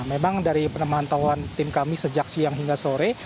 memang dari penemantauan tim kami sejak siang hingga sore